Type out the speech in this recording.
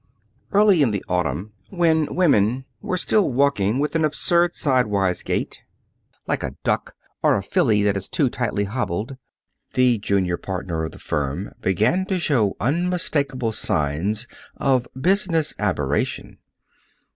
Early in the autumn, when women were still walking with an absurd sidewise gait, like a duck, or a filly that is too tightly hobbled, the junior partner of the firm began to show unmistakable signs of business aberration.